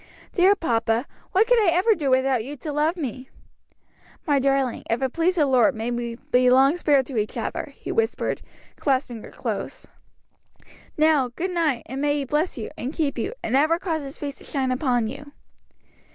"Dear papa, what could I ever do without you to love me?" "My darling, if it please the Lord, may we be long spared to each other," he whispered, clasping her close. "Now, good night, and may He bless you, and keep you, and ever cause his face to shine upon you."